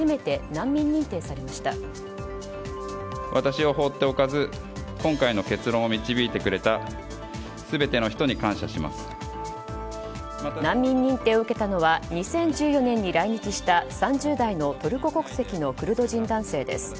難民認定を受けたのは２０１４年に来日した３０代のトルコ国籍のクルド人男性です。